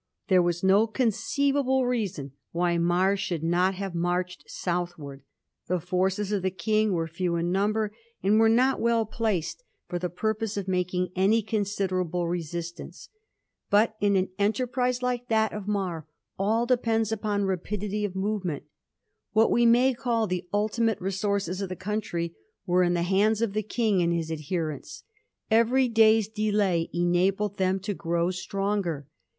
There was no conceivable reason why Mar should not have marched southward. The forces of the King were few in number, and were not weU placed for the x2 Digiti zed by Google 164 A HISTORY OF THE FOUR GEORGES. ch. tit. purpose of maJdng any considerable resistance. Bat in an enterprise like that of Mar all depends upon rapidity of movement. What we may call the ulti mate resources of the country were in the hands of the King and his adherents. Every day's delay enabled them to grow stronger.